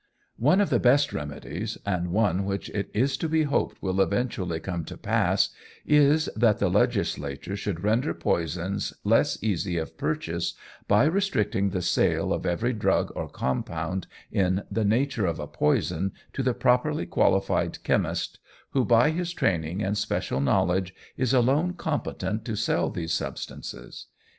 One of the best remedies, and one which it is to be hoped will eventually come to pass is, that the Legislature should render poisons less easy of purchase, by restricting the sale of every drug or compound in the nature of a poison to the properly qualified chemist, who, by his training and special knowledge, is alone competent to sell these substances.